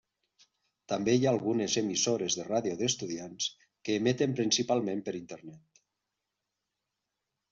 També hi ha algunes emissores de ràdio d'estudiants, que emeten principalment per Internet.